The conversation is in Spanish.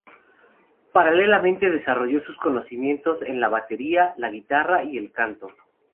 Paralelamente desarrolló sus conocimientos en la batería, la guitarra y el canto.